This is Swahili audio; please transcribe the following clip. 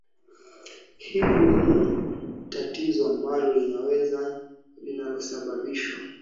hivyo hili ni tatizo ambalo linaweza linalosababishwa